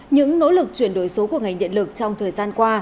những nỗ lực chuyển đổi số của ngành điện lực trong thời gian qua